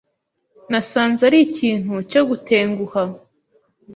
Nasanze ari ikintu cyo gutenguha.